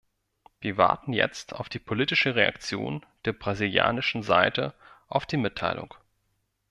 Wir warten jetzt auf die politische Reaktion der brasilianischen Seite auf die Mitteilung.